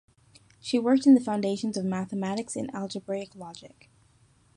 She worked in the foundations of mathematics and algebraic logic.